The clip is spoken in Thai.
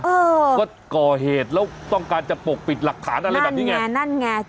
เออก็ก่อเหตุแล้วต้องการจะปกปิดหลักฐานอะไรแบบนี้ไงนั่นไง